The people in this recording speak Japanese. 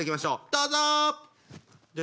どうぞ！